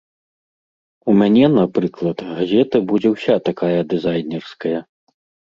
У мяне, напрыклад, газета будзе ўся такая дызайнерская.